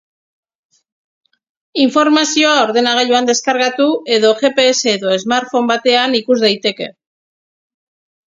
Informazioa ordenagailuan deskargatu edo gps edo smartphone batean ikus daiteke.